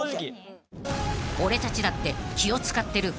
［俺たちだって気を使ってる！